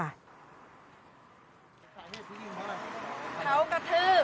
ตัวเขาขะทืบ